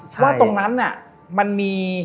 ว่าตรงนั้นน่ะมันมี